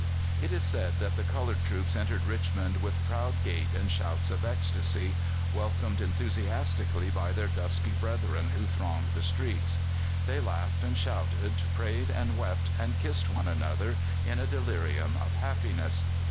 It is said that the coloured troops entered Richmond with proud gait and shouts of ecstasy, welcomed enthusiastically by their dusky brethren who thronged the streets. They laughed and shouted, prayed and wept, and kissed one another in a delirium of happiness.